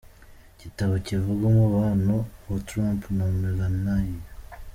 Igitabo kivuga umubano wa Trump na Melania.